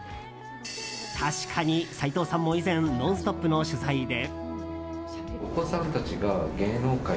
確かに斉藤さんも以前「ノンストップ！」の取材で。